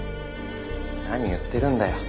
何言ってるんだよ。